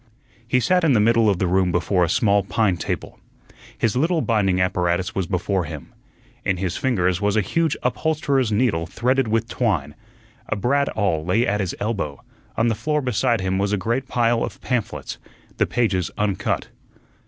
He sat in the middle of the room before a small pine table. His little binding apparatus was before him. In his fingers was a huge upholsterer's needle threaded with twine, a brad awl lay at his elbow, on the floor beside him was a great pile of pamphlets, the pages uncut.